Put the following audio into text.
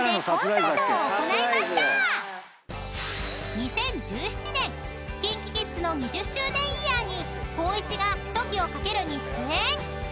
［２０１７年ＫｉｎＫｉＫｉｄｓの２０周年イヤーに光一が『ＴＯＫＩＯカケル』に出演］